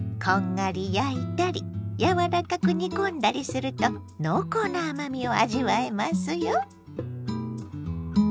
こんがり焼いたり柔らかく煮込んだりすると濃厚な甘みを味わえますよ。